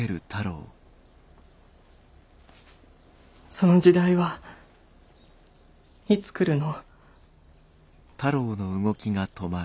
その時代はいつ来るの？